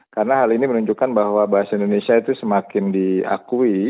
karena hal ini menunjukkan bahwa bahasa indonesia itu semakin diakui